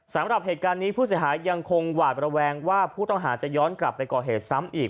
สำหรับเหตุการณ์นี้ผู้เสียหายยังคงหวาดระแวงว่าผู้ต้องหาจะย้อนกลับไปก่อเหตุซ้ำอีก